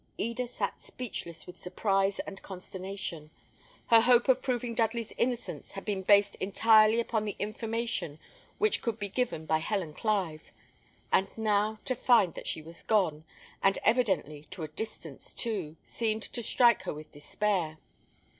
Eda sat speechless with surprise and consternation, Her hope of proving Dudley's innocence had been based entirely upon the information which could be given by Helen Clive; and now to find that she was gone, and evidently to a distance, too, seemed to strike her with despair.